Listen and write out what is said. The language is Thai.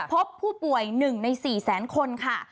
พบผู้ป่วย๑ใน๔แสนคนค่ะ